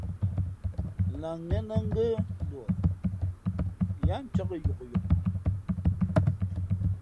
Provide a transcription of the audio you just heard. Lah ngén nά ngə̂nduα yáá ncāk yokyok.